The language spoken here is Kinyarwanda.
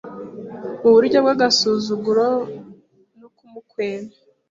Mu buryo bw’agasuzuguro no kumukwena